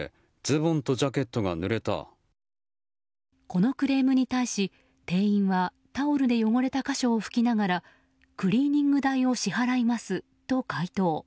このクレームに対し、店員はタオルで汚れた箇所を拭きながらクリーニング代を支払いますと回答。